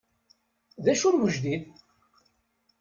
D acu n wejdid?